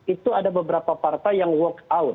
dua ribu tujuh belas itu ada beberapa partai yang work out